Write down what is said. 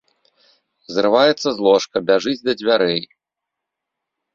Зрываецца з ложка, бяжыць да дзвярэй.